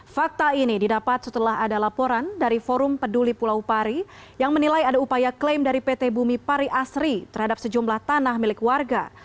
fakta ini didapat setelah ada laporan dari forum peduli pulau pari yang menilai ada upaya klaim dari pt bumi pari asri terhadap sejumlah tanah milik warga